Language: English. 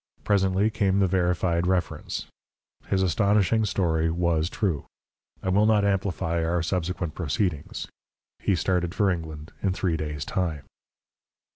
Presently came the verified reference. His astonishing story was true. I will not amplify our subsequent proceedings. He started for England in three days' time.